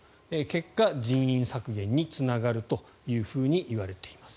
結果、人員削減につながるというふうにいわれています。